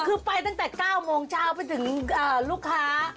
คือไปตั้งแต่๙โมงเช้าไปถึงลูกค้า